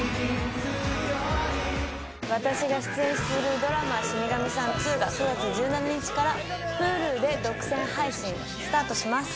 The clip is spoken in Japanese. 私が出演するドラマ、死神さん２が９月１７日からＨｕｌｕで独占配信スタートします。